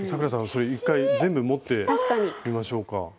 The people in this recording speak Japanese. それ一回全部持ってみましょうか。